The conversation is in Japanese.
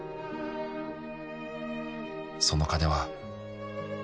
「その金は」